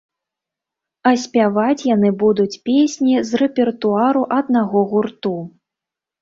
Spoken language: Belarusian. А спяваць яны будуць песні з рэпертуару аднаго гурту.